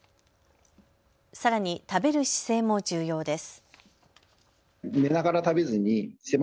さらに食べる姿勢も重要です。